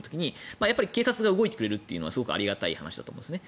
警察が動いてくれるというのはすごくありがたい話だと思うんですね。